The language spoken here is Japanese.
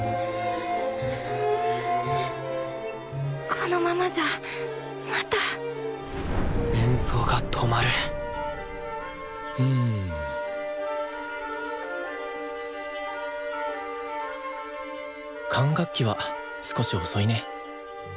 このままじゃまた演奏が止まるうん管楽器は少し遅いね。